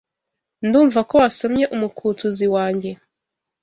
Ndumva ko wasomye umukuTUZI wanjye.